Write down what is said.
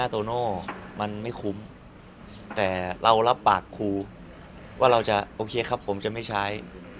โตโน่มันไม่คุ้มแต่เรารับปากครูว่าเราจะโอเคครับผมจะไม่ใช้